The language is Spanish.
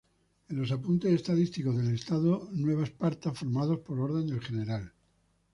En los Apuntes Estadísticos del Estado Nueva Esparta, formados por orden del Gral.